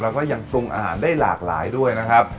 แล้วก็ยังปรุงอาหารได้หลากหลายด้วยนะครับ